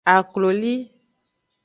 Akloli.